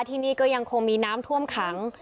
ที่นี่ก็ยังคงมีน้ำท่วมขัง